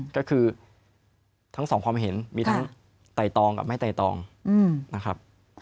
ก็คือทั้งสองความเห็นมีทั้งไตตองกับไม่ไตตองนะครับ